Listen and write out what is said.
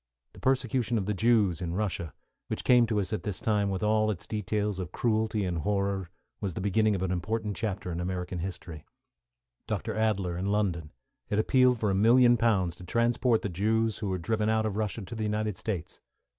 The persecution of the Jews in Russia, which came to us at this time with all its details of cruelty and horror, was the beginning of an important chapter in American history. Dr. Adler, in London, had appealed for a million pounds to transport the Jews who were driven out of Russia to the United States.